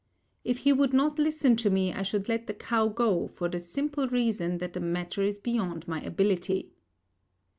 If he would not listen to me, I should let the cow go for the simple reason that the matter is beyond my ability.